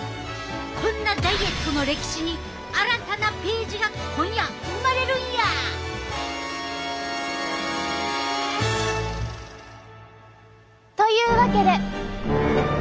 こんなダイエットの歴史に新たなページが今夜生まれるんや！というわけで！